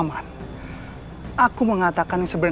aku mengatakan yang sebenarnya